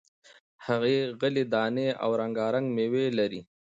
ښې غلې دانې او رنگا رنگ میوې لري،